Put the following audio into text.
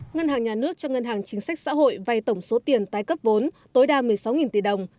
ngân hàng nhà nước cho ngân hàng chính sách xã hội vay tổng số tiền tái cấp vốn tối đa một mươi sáu tỷ đồng